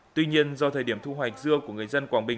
tuy nhiên do thời điểm thu hoạch dưa của người dân quảng bình